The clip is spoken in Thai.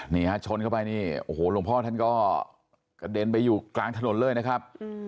นี่ฮะชนเข้าไปนี่โอ้โหหลวงพ่อท่านก็กระเด็นไปอยู่กลางถนนเลยนะครับ